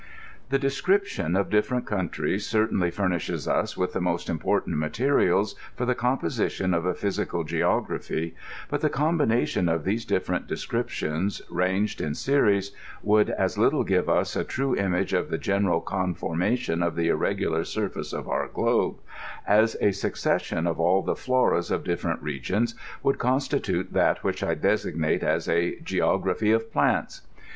The description of different countries certainly furnishes us with the most important materials for the composition of a physical geography ; but the combination of these different descriptions, ranged in series, would as little give us a true image of the general conformation of the irregular surface of our globe, as a succession of all the floras of di^rent regions would constitute that which I designate as ^Geography of Plants.